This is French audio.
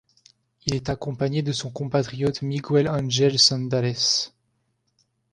Il est accompagné de son compatriote Miguel Ángel Cendales.